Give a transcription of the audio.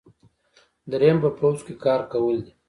دریم په پوځ کې کار کول دي.